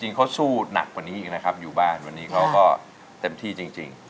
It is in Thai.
เขาสู้หนักกว่านี้อีกนะครับอยู่บ้านวันนี้เขาก็เต็มที่จริง